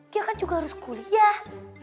dia kan juga harus kuliah